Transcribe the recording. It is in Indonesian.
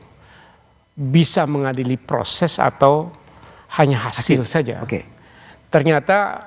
apakah mahkamah koinstitusi itu bisa mengadili proses atau hanya hasil saja oke ternyata